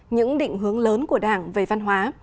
những định hướng lớn của đảng về văn hóa